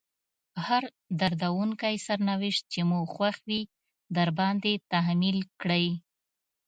هر دردونکی سرنوشت چې مو خوښ وي ورباندې تحميل کړئ.